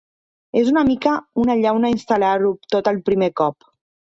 És una mica una llauna instal·lar-ho tot el primer cop.